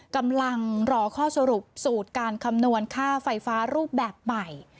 กำลังรอข้อสรุปสูตรการคำนวณค่าไฟฟ้ารูปแบบใหม่